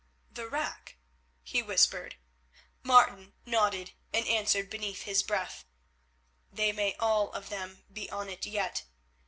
"The rack?" he whispered. Martin nodded, and answered beneath his breath, "They may all of them be on it yet.